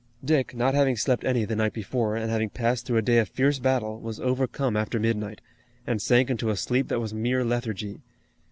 Dick, not having slept any the night before, and having passed through a day of fierce battle, was overcome after midnight, and sank into a sleep that was mere lethargy.